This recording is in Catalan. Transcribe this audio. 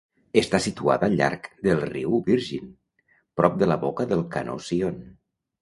Està situada al llarg del riu Virgin, prop de la boca del canó Zion.